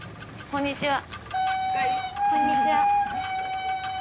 こんにちは。